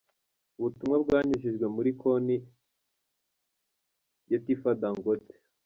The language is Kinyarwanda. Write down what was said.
Ubutumwa bwanyujijwe muri konti ya Tiffah Dangote.